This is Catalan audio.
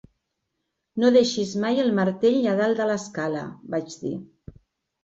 No deixis mai el martell a dalt de l'escala, vaig dir.